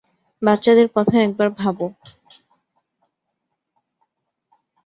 বাচ্চাদের কথা একবার ভাবো।